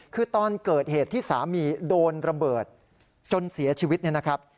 คือตอนเกิดเหตุที่สามีโดนระเบิดจนเสียชีวิตเนี่ยนะครับ